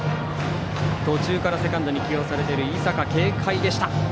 途中からセカンドに起用されている井坂、軽快でした。